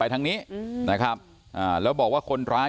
ทางนี้นะครับอ่าแล้วบอกว่าคนร้าย